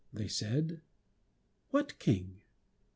they said. What King?